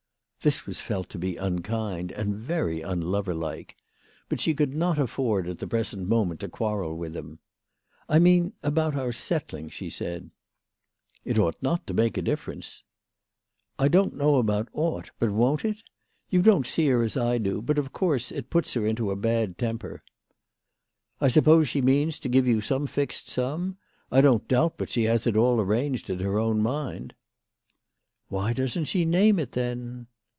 This was felt to be unkind and very unloverlike. But she could not afford at the present moment to quarrel with him. " I mean about our settling," she said. " It ought not to make a difference." " I don't know about ought ; but won't it ? You don't see her as I do, but, of course, it puts her into a bad temper." " I suppose she means to give you some fixed sum. I don't doubt but she has it all arranged in her own mind." " Why doesn't she name it, then